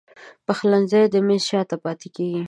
د پخلنځي د میز شاته پاته کیږې